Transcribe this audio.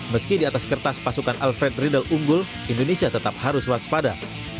meski di atas kertas pasukan alfred riedel unggul indonesia tetap harus waspada